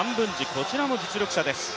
こちらも実力者です。